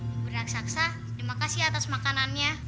ibu raksasa terima kasih atas makanannya